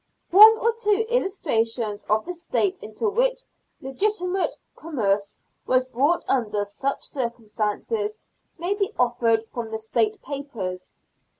One or two illustrations of the state into which legitimate com merce was brought under such circumstances may be offered from the State papers.